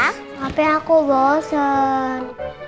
tapi aku bosan